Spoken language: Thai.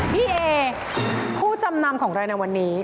พี่เอผู้จำนำของเราในวันนี้